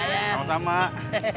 makasih ya pak